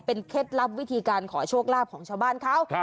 เป็นเคล็ดลับวิธีการขอโชคลาภของชาวบ้านเขา